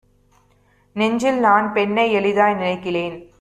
நெஞ்சில்நான் பெண்ணை எளிதாய் நினைக்கிலேன்.